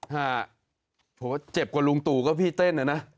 โหเจ็บกว่าลุงตู่ก็พี่เต้นนะนะ